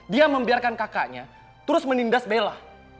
dia membiarkan kakaknya terus menindas bella